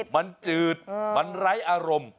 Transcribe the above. มันจืดมันไร้อารมณ์